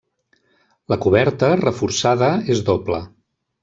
La coberta, reforçada, és doble.